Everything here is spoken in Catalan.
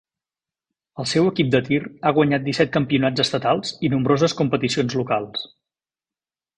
El seu equip de tir ha guanyat disset campionats estatals i nombroses competicions locals.